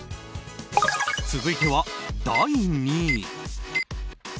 続いては、第２位。